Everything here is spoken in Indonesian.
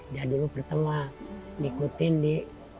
dia dulu pertama ngikutin di